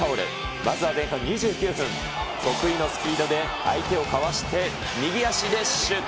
まずは前半２９分、得意のスピードで相手をかわして、右足でシュート。